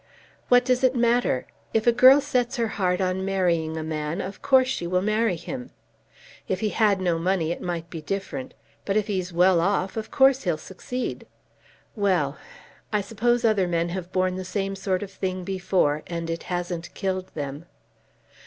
"What does it matter? If a girl sets her heart on marrying a man, of course she will marry him. If he had no money it might be different. But if he's well off, of course he'll succeed. Well ; I suppose other men have borne the same sort of thing before and it hasn't killed them."